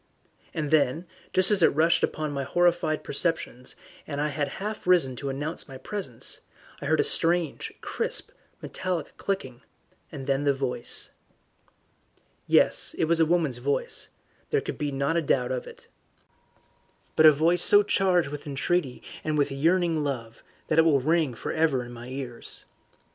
And then, just as it rushed upon my horrified perceptions, and I had half risen to announce my presence, I heard a strange, crisp, metallic clicking, and then the voice. Yes, it was a woman's voice; there could not be a doubt of it. But a voice so charged with entreaty and with yearning love, that it will ring for ever in my ears.